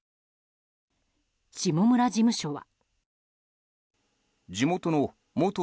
下村事務所は。